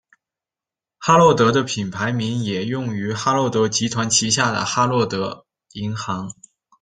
哈洛德的品牌名也用于哈洛德集团旗下的哈洛德银行。